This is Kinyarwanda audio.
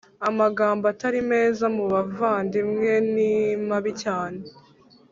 Amagambo Atari meza mubavandimwe nimabi cyane